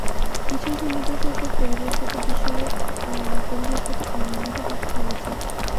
কিছু সমুদ্র সৈকত পরিবেষগত আইন মানতে ব্যর্থ হয়েছে।